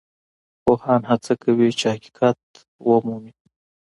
پوهان هڅه کوي چي حقیقت ومومي.